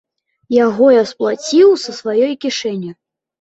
Яго я сплаціў са сваёй кішэні.